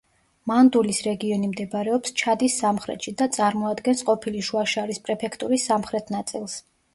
მანდულის რეგიონი მდებარეობს ჩადის სამხრეთში და წარმოადგენს ყოფილი შუა შარის პრეფექტურის სამხრეთ ნაწილს.